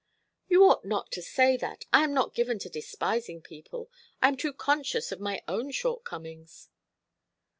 "You ought not to say that. I am not given to despising people. I am too conscious of my own shortcomings."